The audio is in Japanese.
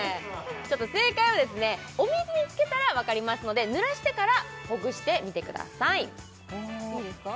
正解はですねお水につけたらわかりますのでぬらしてからほぐしてみてくださいいいですか？